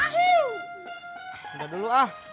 sudah dulu ah